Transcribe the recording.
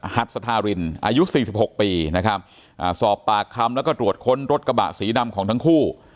หัสสธารินอายุ๔๖ปีนะครับสอบปากคำแล้วก็ตรวจค้นรถกระบะสีดำของทั้งคู่